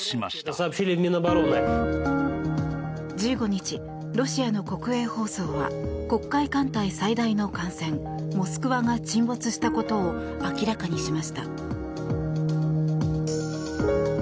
１５日、ロシアの国営放送は黒海艦隊最大の艦船「モスクワ」が沈没したことを明らかにしました。